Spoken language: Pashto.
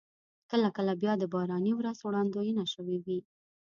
کله کله بیا د باراني ورځ وړاندوينه شوې وي.